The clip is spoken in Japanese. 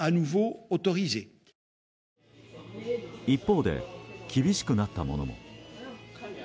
一方で、厳しくなったものも。